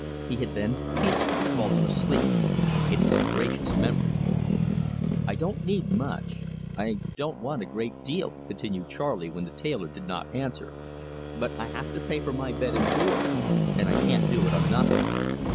He had then peacefully fallen asleep. It was a gracious memory. "I don't need much, I don't want a great deal," continued Charley when the tailor did not answer, "but I have to pay for my bed and board, and I can't do it on nothing."